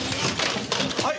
はい！